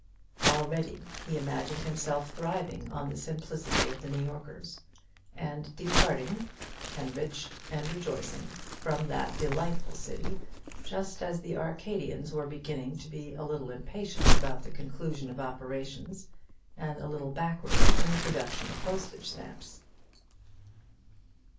Already he imagined himself thriving on the simplicity of the New Yorkers; and departing, enriched and rejoicing, from that delightful city just as the Arcadians were beginning to be a little impatient about the conclusion of operations, and a little backward in the production of postage stamps.